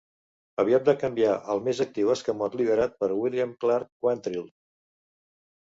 Aviat va canviar al més actiu escamot liderat per William Clarke Quantrill.